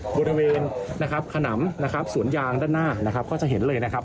บริเวณขนำสวนยางด้านหน้าก็จะเห็นเลยนะครับ